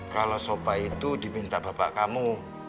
kalau soba itu diminta bapak kamu